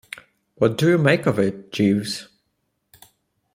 What do you make of it, Jeeves?